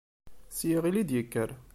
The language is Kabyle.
S yiɣil i d-yekker.